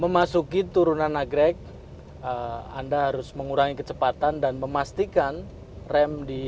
memasuki turunan nagrek anda harus mengurangi kecepatan dan memastikan rem di